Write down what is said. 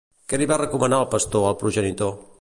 Què li va recomanar el pastor al progenitor?